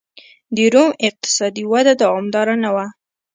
د روم اقتصادي وده دوامداره نه وه